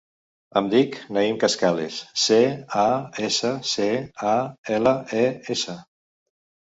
Em dic Naïm Cascales: ce, a, essa, ce, a, ela, e, essa.